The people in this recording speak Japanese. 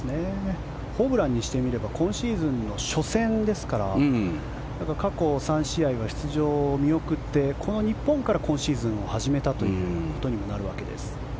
ホブランにしてみれば今シーズンの初戦ですから過去３試合は出場を見送ってこの日本から今シーズンを始めたということにもなるわけです。